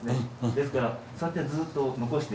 ですからそうやってずっと残して。